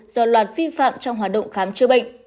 do loạt vi phạm trong hoạt động khám chữa bệnh